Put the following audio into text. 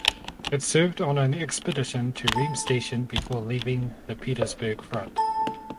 It served on an expedition to Reams Station before leaving the Petersburg front.